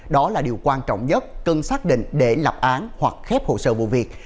đó là điều quan trọng nhất cần xác định để lập án hoặc khép hồ sơ vụ việc